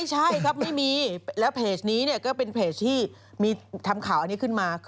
จะเก็บภาษีใช่ไหม